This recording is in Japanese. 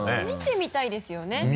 見てみたいですよね？